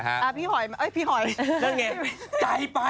ใจไปอ่ะใจอ่ะ